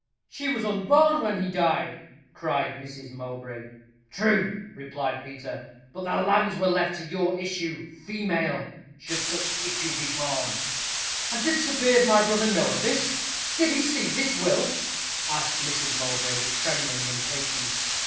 "She was unborn when he died," cried Mrs. Mowbray. "True," replied Peter; "but the lands were left to your issue female, should such issue be born." "And did Sir Piers, my brother, know of this? did he see this will," asked Mrs. Mowbray, with trembling impatience.